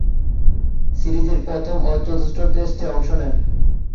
সিরিজের প্রথম ও চতুর্থ টেস্টে অংশ নেন।